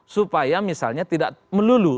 supaya misalnya tidak melulu